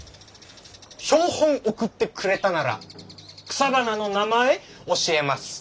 「標本送ってくれたなら草花の名前教えます」。